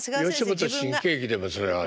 吉本新喜劇でもそれは。